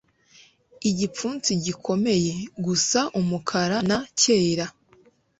igipfunsi gikomeye, gusa umukara-na-cyera